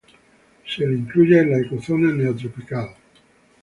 Se la incluye en la ecozona Neotropical.